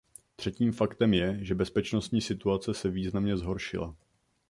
Třetím faktem je, že bezpečnostní situace se významně zhoršila.